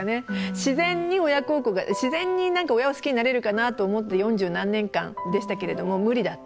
自然に親孝行が自然に親を好きになれるかなと思って四十何年間でしたけれども無理だった。